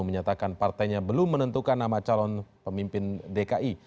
menyatakan partainya belum menentukan nama calon pemimpin dki